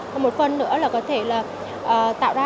và một phần nữa là có thể là